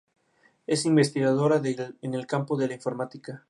Es investigadora en el campo de la informática.